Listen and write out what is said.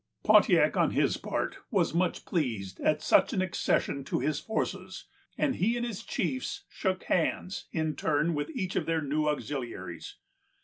Pontiac, on his part, was much pleased at such an accession to his forces, and he and his chiefs shook hands, in turn, with each of their new auxiliaries.